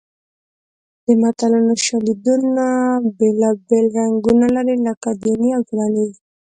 د متلونو شالیدونه بېلابېل رنګونه لري لکه دیني او ټولنیز